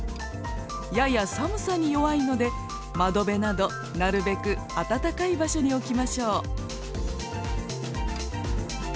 やや寒さに弱いので窓辺などなるべく暖かい場所に置きましょう。